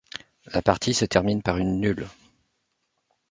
La partie se termine par une nulle.